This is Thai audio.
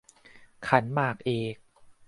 ขันหมากเอก